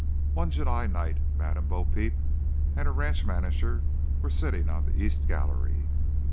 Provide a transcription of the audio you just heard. One July night Madame Bo Peep and her ranch manager were sitting on the east gallery.